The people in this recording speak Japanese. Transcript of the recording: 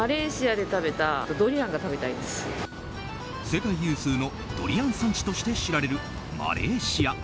世界有数のドリアン産地として知られるマレーシア。